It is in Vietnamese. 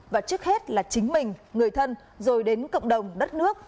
và trước hết là chính mình người thân rồi đến cộng đồng đất nước